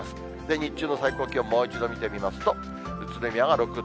日中の最高気温もう一度見てみますと、宇都宮が６度。